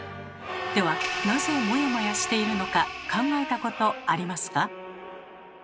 ではなぜモヤモヤしているのか考えたことありますか？